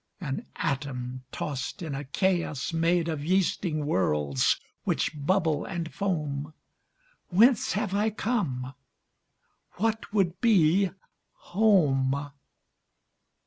An atom tossed in a chaos made Of yeasting worlds, which bubble and foam. Whence have I come? What would be home?